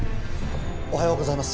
おはようございます